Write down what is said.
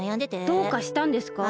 どうかしたんですか？